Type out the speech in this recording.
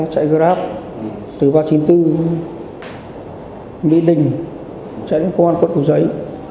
chạy grab từ ba trăm chín mươi bốn mỹ đình chạy đến công an quận cầu giấy